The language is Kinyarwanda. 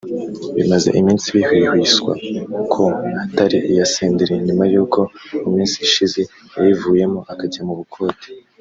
bimaze iminsi bihwihwiswa ko atari iya Senderi nyuma y’uko mu minsi ishize yayivuyemo akajya mu bukode